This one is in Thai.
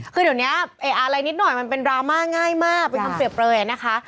คือเดี๋ยวนี้อะไรนิดหน่อยมันเป็นดราม่าง่ายมากเป็นคำเปรียบเปลยนะคะ